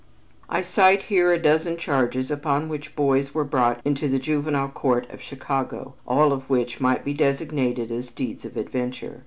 I cite here a dozen charges upon which boys were brought into the Juvenile Court of Chicago, all of which might be designated as deeds of adventure.